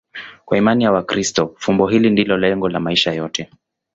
Kwa imani ya Wakristo, fumbo hilo ndilo lengo la maisha yote.